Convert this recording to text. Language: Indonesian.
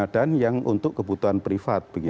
dan yang untuk kebutuhan privat begitu